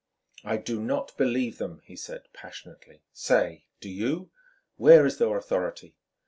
"I do not believe them," he said passionately. "Say, do you? Where is their authority?